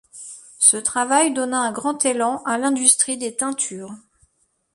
Ce travail donna un grand élan à l'industrie des teintures.